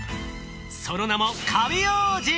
その名もカビ王子。